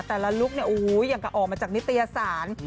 แต่ละลุคอย่างจะออกมาจากนิตยสาร